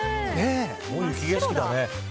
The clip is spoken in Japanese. もう雪景色だね。